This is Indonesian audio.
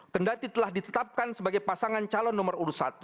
kendali telah ditetapkan sebagai pasangan calon nomor satu